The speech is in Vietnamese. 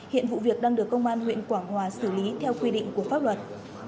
hiện vụ việc đang được công an huyện quảng hòa xử lý theo quy định của pháp luật